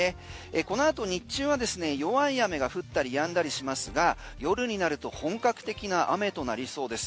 このあと日中は弱い雨が降ったり止んだりしますが夜になると本格的な雨となりそうです。